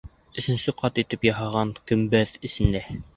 Өсөнсө ҡат итеп яһаған көмбәҙ эсендә.